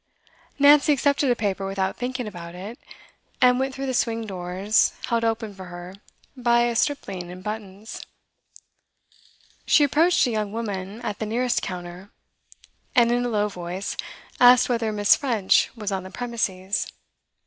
Nancy accepted a paper without thinking about it, and went through the swing doors held open for her by a stripling in buttons; she approached a young woman at the nearest counter, and in a low voice asked whether Miss. French was on the premises.